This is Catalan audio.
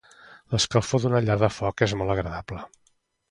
L'escalfor d'una llar de foc és molt agradable.